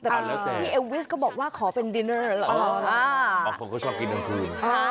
พี่เอลวิสก็บอกว่าขอเป็นดินเนอร์บอกผมก็ชอบกินกลางคืน